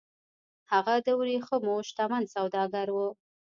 هغه د ورېښمو شتمن سوداګر و